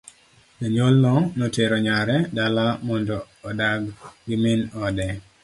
Janyuolno notero nyare dala mondo odag gi min ode.